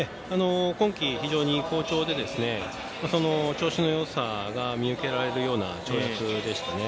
今季、非常に好調で調子のよさが見受けられるような跳躍でしたね。